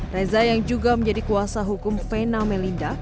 reza yang juga menjadi kuasa hukum vena melinda